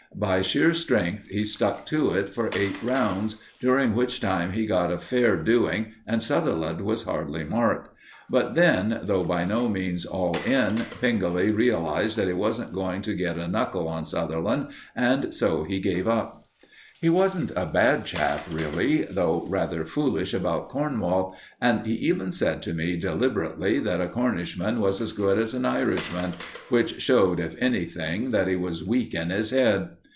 By sheer strength he stuck to it for eight rounds, during which time he got a fair doing and Sutherland was hardly marked; but then, though by no means all in, Pengelly realized that he wasn't going to get a knuckle on Sutherland and so he gave up. He wasn't a bad chap really, though rather foolish about Cornwall, and he even said to me deliberately that a Cornishman was as good as an Irishman, which showed, if anything, that he was weak in his head.